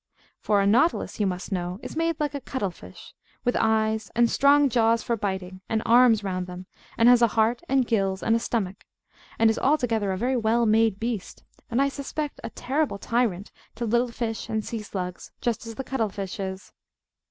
For a Nautilus, you must know, is made like a cuttlefish, with eyes, and strong jaws for biting, and arms round them; and has a heart, and gills, and a stomach; and is altogether a very well made beast, and, I suspect, a terrible tyrant to little fish and sea slugs, just as the cuttlefish is.